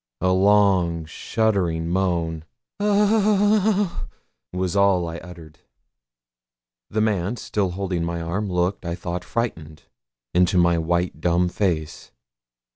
A long shuddering moan 'Oh oh oh!' was all I uttered. The man, still holding my arm, looked, I thought frightened, into my white dumb face.